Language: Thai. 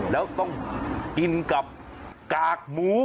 แล้วต้องกินกับกากหมู